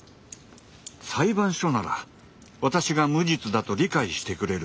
裁判所なら私が無実だと理解してくれる。